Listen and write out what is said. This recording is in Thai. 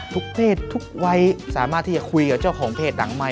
เพศทุกวัยสามารถที่จะคุยกับเจ้าของเพจหนังใหม่